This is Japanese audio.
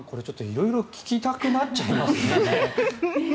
色々聴きたくなっちゃいますね。